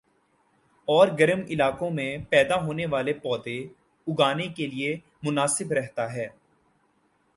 اور گرم علاقوں میں پیدا ہونے والے پودے اگانے کیلئے مناسب رہتا ہے